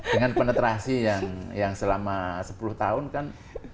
dengan penetrasi yang selama sepuluh tahun kan